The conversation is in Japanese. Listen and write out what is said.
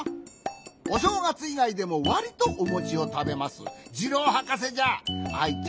おしょうがついがいでもわりとおもちをたべますジローはかせじゃ。